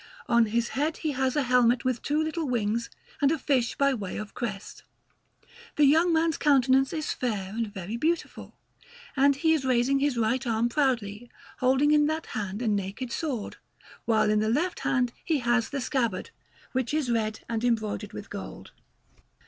On his head he has a helmet with two little wings and a fish by way of crest. The young man's countenance is fair and very beautiful; and he is raising his right arm proudly, holding in that hand a naked sword, while in the left hand he has the scabbard, which is red and embroidered with gold.